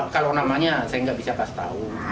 kalau namanya saya nggak bisa kasih tahu